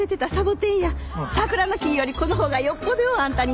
サクラの木よりこの方がよっぽどようあんたに似合うわ。